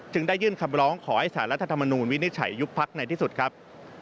ซึ่งได้ยื่นเข้าคำร้องขอให้ศรควิจัยยุคภัครในที่สุดครับ